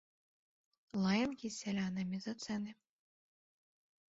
Лаянкі з сялянамі за цэны.